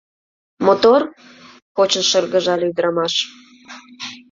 Мотор? — кочын шыргыжале ӱдырамаш.